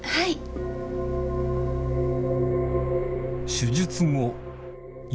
手術後ん？